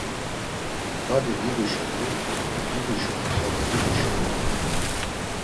Badi diduşunu, diduşunu xolo diduşunu.